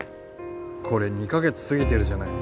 これ２か月過ぎてるじゃない。